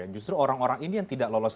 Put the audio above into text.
justru orang orang ini yang tidak lolos